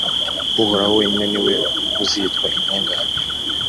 Uhoraho wenyine ni we uzitwa intungane.